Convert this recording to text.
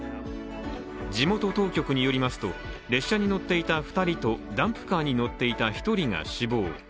地元当局によりますと、列車に乗っていた２人とダンプカーに乗っていた１人が死亡。